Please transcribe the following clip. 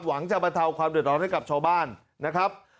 หวังจะบรรเทาความเดือดร้อนให้กับชาวบ้านนะครับ